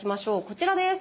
こちらです。